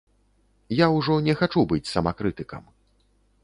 Я ўжо не хачу быць самакрытыкам.